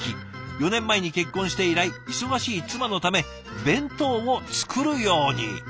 ４年前に結婚して以来忙しい妻のため弁当を作るように。